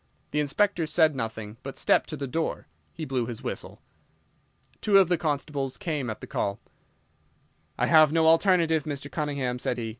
The Inspector said nothing, but, stepping to the door, he blew his whistle. Two of his constables came at the call. "I have no alternative, Mr. Cunningham," said he.